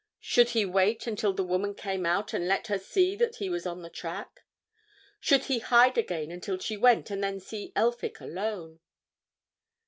Should he wait until the woman came out and let her see that he was on the track? Should he hide again until she went, and then see Elphick alone?